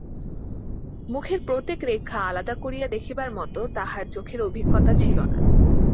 মুখের প্রত্যেক রেখা আলাদা করিয়া দেখিবার মতো তাহার চোখের অভিজ্ঞতা ছিল না।